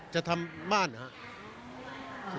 จะทำบ้านค่ะ